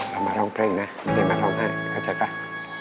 เรามาร้องเพลงนะไม่ได้มาร้องให้รักษาค่ะ